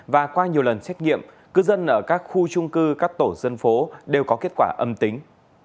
và qua nhiều lần xét nghiệm cư dân ở các khu trung cư các tổ dân phố đều có kết quả âm tính